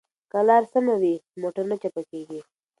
که لار سمه وي نو موټر نه چپه کیږي.